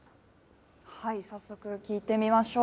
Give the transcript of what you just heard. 早速聞いてみましょう。